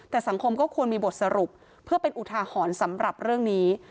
แต่สังคมก็ควรมีบทสรุปเพื่อเป็นอุทาหรณ์สำหรับเรื่องนี้